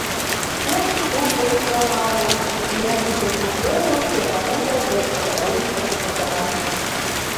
Коні тупаюць памалу і як бы прыслухоўваюцца да гутарак гаспадароў з пакупцамі.